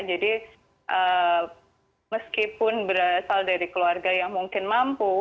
jadi meskipun berasal dari keluarga yang mungkin mampu